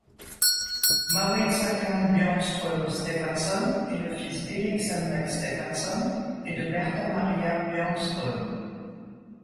Mauritz Håkan Björnström-Steffansson est le fils d'Erik Samuel Steffansson et de Berta Maria Björnström.